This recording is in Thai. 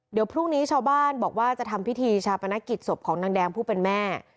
เดี๋ยวพรุ่งนี้ชาวบ้านบอกว่าจะทำพิธีชาปนกิจศพของนางแดงผู้เป็นแม่